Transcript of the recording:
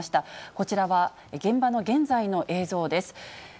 こちらは現場の現在の映像です。